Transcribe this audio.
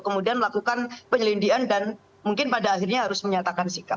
kemudian melakukan penyelidikan dan mungkin pada akhirnya harus menyatakan sikap